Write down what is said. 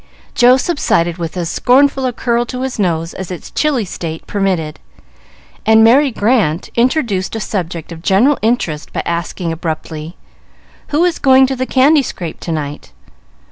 Joe subsided with as scornful a curl to his nose as its chilly state permitted, and Merry Grant introduced a subject of general interest by asking abruptly, "Who is going to the candy scrape to night?"